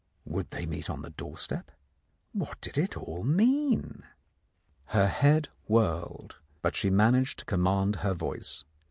Would they meet on the doorstep ? What did it all mean ? Her head whirled, but she managed to command her voice.